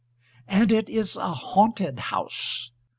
And it is a "haunted" house.